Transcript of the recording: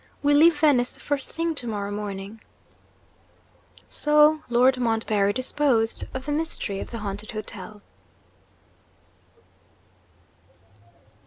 We leave Venice the first thing to morrow morning. So Lord Montbarry disposed of the mystery of The Haunted Hotel.